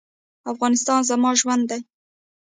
افغانستان زما ژوند دی